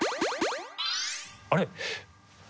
あれ？